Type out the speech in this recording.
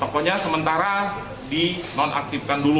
pokoknya sementara dinonaktifkan dulu